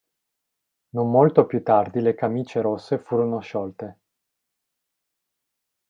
Non molto più tardi le "Camicie Rosse" furono sciolte.